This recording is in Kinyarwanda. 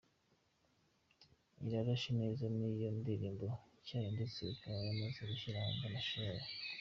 Irirashe neza’ niyo ndirimbo ye nshya ndetse akaba yamaze gushyira hanze amashusho yayo.